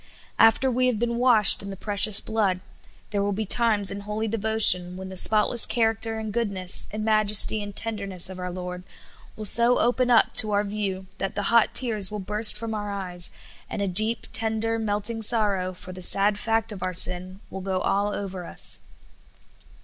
After we have been washed in the precious blood, there will be times in hol}^ devotion when the spotless character and goodness and majesty and tenderness of our lyord will so open up to our view that the hot tears will burst from our eyes, and a deep, tender, melting sorrow for the sad fact of our sin will go all over us.